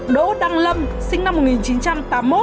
đỗ đăng lâm sinh năm một nghìn chín trăm tám mươi một